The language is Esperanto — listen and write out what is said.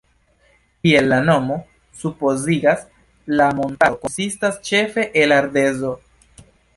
Kiel la nomo supozigas, la montaro konsistas ĉefe el ardezo.